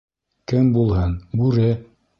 — Кем булһын, бүре!